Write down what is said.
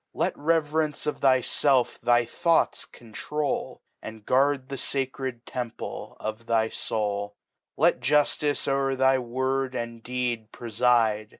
Xet Reverence of thyfelf thy Thoughts control^ And guard the facred Temple of thy Soul. Let Juftice o'er thy Word and Deed prefide.